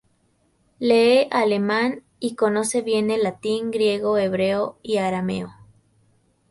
Lee alemán, y conoce bien el latín, griego, hebreo y arameo.